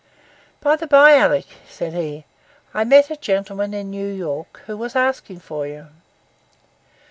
'By the bye, Alick,' said he, 'I met a gentleman in New York who was asking for you.